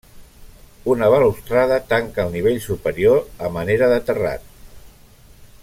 Una balustrada tanca el nivell superior a manera de terrat.